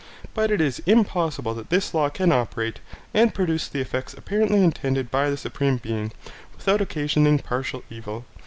But it is impossible that this law can operate, and produce the effects apparently intended by the Supreme Being, without occasioning partial evil.